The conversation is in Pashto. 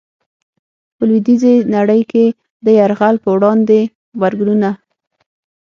په لويديځي نړۍ کي د يرغل په وړاندي غبرګونونه